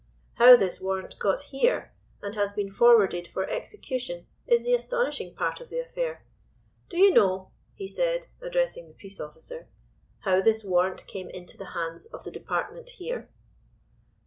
How this warrant got here and has been forwarded for execution is the astonishing part of the affair. Do you know," he said, addressing the peace officer, "how this warrant came into the hands of the Department here?"